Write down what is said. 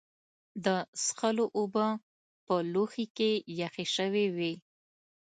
د څښلو اوبه په لوښي کې یخې شوې وې.